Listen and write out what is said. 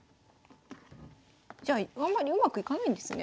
じゃああんまりうまくいかないんですね。